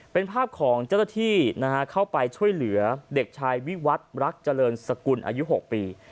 เป็นภาพของเจ้าหน้าที่เข้าไปช่วยเหลือเด็กชายวิวัตรรักเจริญสกุลอายุ๖ปี